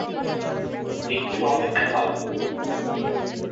একটু অপেক্ষা কর!